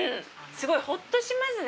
すごいほっとしますね